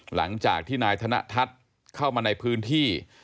หลังจากที่นายธนทัศน์เข้ามาในพื้นที่